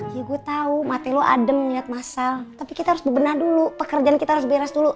ya gue tau mati lo adem melihat masal tapi kita harus bebenah dulu pekerjaan kita harus beres dulu